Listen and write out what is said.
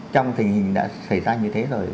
trong tình hình đã xảy ra như thế rồi